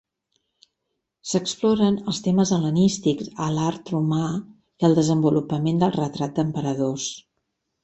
S'exploren els temes hel·lenístics a l'art romà, i el desenvolupament del retrat d'emperadors.